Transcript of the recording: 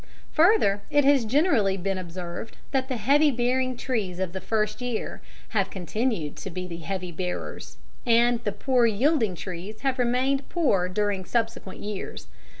Further, it has generally been observed that the heavy bearing trees of the first year have continued to be heavy bearers, and the poor yielding trees have remained poor during subsequent years.